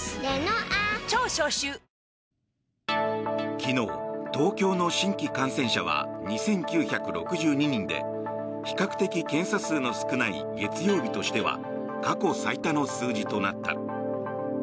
昨日、東京の新規感染者は２９６２人で比較的検査数の少ない月曜日としては過去最多の数字となった。